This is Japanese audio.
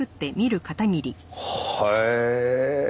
へえ。